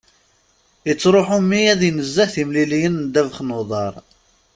Ittruḥu mmi ad inezzeh timliliyin n ddabex n uḍar.